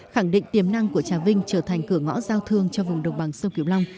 khẳng định tiềm năng của trà vinh trở thành cửa ngõ giao thương cho vùng đồng bằng sông kiều long